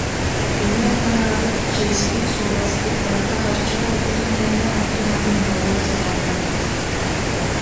Үҥэр таҥарабыт, чиэспит, суобаспыт барыта харчы буолбутун кэннэ онтон атын буолуон сатаммат